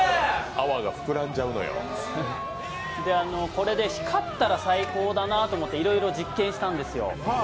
これで光ったら最高だなと思っていろいろ実験したんですよ。